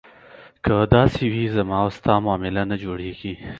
که داسې وي زما او ستا معامله نه جوړېږي.